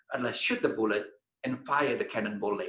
ambil senjata dan menembak bola kembali